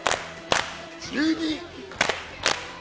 １２！